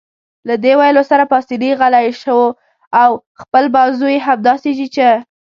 له دې ویلو سره پاسیني غلی شو او خپل بازو يې همداسې چیچه.